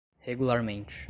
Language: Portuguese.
regularmente